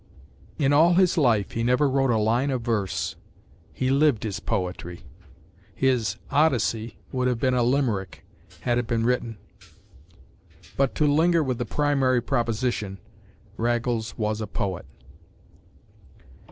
In all his life he never wrote a line of verse; he lived his poetry. His Odyssey would have been a Limerick, had it been written. But, to linger with the primary proposition, Raggles was a poet.